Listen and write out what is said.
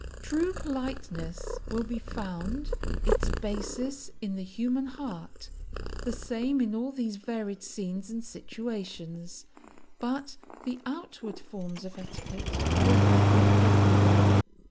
True politeness will be found, its basis in the human heart, the same in all these varied scenes and situations, but the outward forms of etiquette will vary everywhere.